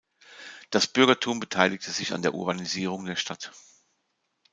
Das Bürgertum beteiligte sich an der Urbanisierung der Stadt.